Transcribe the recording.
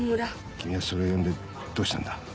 君はそれを読んでどうしたんだ？